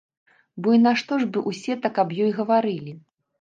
Бо і нашто ж бы ўсе так аб ёй гаварылі?